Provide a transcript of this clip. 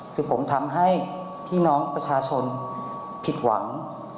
คือผมทำให้พี่น้องประชาชนผิดหวัง